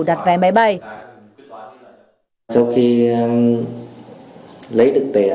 đặt vé máy bay